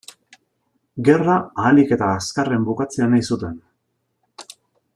Gerra ahalik eta azkarren bukatzea nahi zuten.